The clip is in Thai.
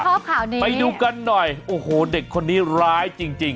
ข่าวนี้ไปดูกันหน่อยโอ้โหเด็กคนนี้ร้ายจริงจริง